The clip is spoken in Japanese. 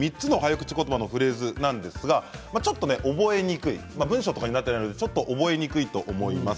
口言葉のフレーズなんですがちょっと覚えにくい文章とかになっていないのでちょっと覚えにくいと思います。